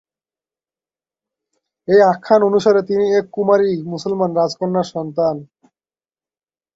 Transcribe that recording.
এই আখ্যান অনুসারে, তিনি এক কুমারী মুসলমান রাজকন্যার সন্তান।